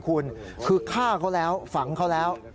คุณคือฆ่าเขาแล้วฝังเขาแล้ว